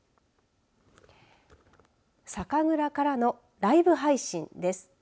酒蔵からのライブ配信です。